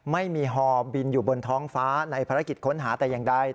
ไม่มีฮอบินอยู่บนท้องฟ้าในภารกิจค้นหาแต่อย่างใด